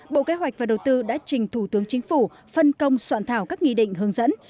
bộ kế hoạch và đầu tư đã trình thủ tướng chính phủ phân công soạn thảo các nghị định hướng dẫn